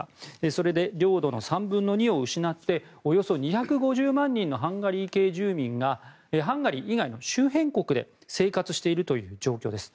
それで領土の３分の２を失っておよそ２５０万人のハンガリー系住民がハンガリー以外の周辺国で生活しているという状況です。